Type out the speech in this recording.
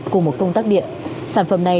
cùng một công tắc điện sản phẩm này